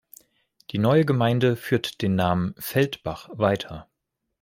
Die neue Gemeinde führt den Namen „Feldbach“ weiter.